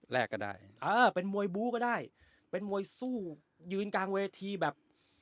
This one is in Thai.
แรกก็ได้เออเป็นมวยบู้ก็ได้เป็นมวยสู้ยืนกลางเวทีแบบ